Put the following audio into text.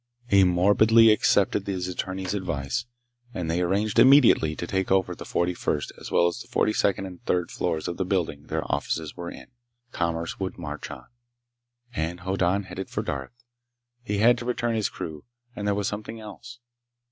He morbidly accepted his attorneys' advice, and they arranged immediately to take over the forty first as well as the forty second and third floors of the building their offices were in. Commerce would march on. And Hoddan headed for Darth. He had to return his crew, and there was something else.